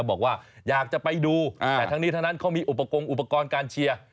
บอกว่าอยากจะไปดูแต่ทั้งนี้ทั้งนั้นเขามีอุปกรณ์อุปกรณ์การเชียร์